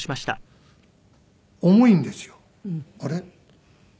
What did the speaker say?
「あれ？」。